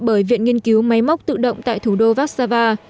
bởi viện nghiên cứu máy móc tự động tại thủ đô vác sava